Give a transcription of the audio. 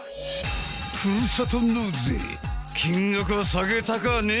ふるさと納税金額は下げたくはねえんでい！